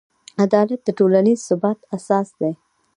عدالت د ټولنیز ثبات اساس دی.